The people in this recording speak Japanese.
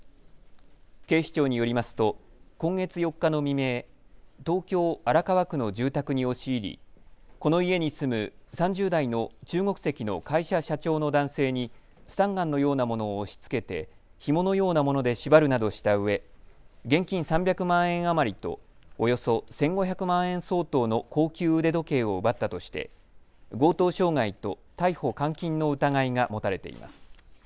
警視庁によりますと今月４日の未明、東京荒川区の住宅に押し入りこの家に住む３０代の中国籍の会社社長の男性にスタンガンのようなものを押しつけてひものようなもので縛るなどしたうえ現金３００万円余りとおよそ１５００万円相当の高級腕時計を奪ったとして強盗傷害と逮捕監禁の疑いが持たれています。